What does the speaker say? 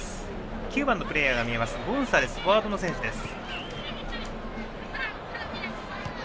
９番のプレーヤー、ゴンサレスフォワードの選手です。